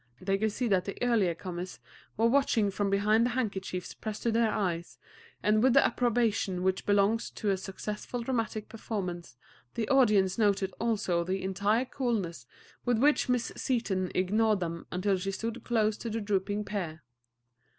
They could see that the earlier comers were watching from behind the handkerchiefs pressed to their eyes, and with the approbation which belongs to a successful dramatic performance the audience noted also the entire coolness with which Miss Seaton ignored them until she stood close to the drooping pair.